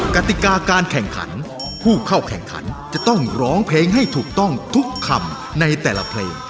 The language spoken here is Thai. กติกาการแข่งขันผู้เข้าแข่งขันจะต้องร้องเพลงให้ถูกต้องทุกคำในแต่ละเพลง